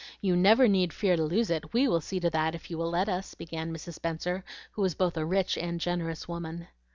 "You never need fear to lose it; we will see to that if you will let us," began Mrs. Spenser, who was both a rich and a generous woman.